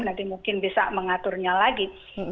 nanti mungkin bisa mengaturnya lagi